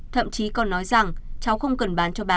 thậm chí còn nói rằng cháu không cần bán cho bà